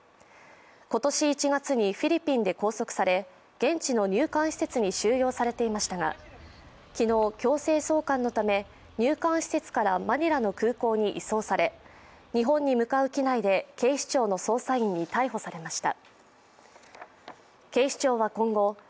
今年１月にフィリピンで拘束され現地の入管施設に収容されていましたが、昨日、強制送還のため入管施設からマニラの空港に移送され日本に向かう機内で警視庁の捜査員に逮捕されました。